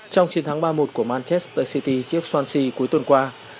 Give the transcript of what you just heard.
trong chiến thắng ba một của manchester city trước swansea cuối tuần qua